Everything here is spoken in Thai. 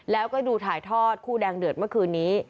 แล้วก็ดูถ่ายทอดคู่แดงเดือดเมื่อคืนนี้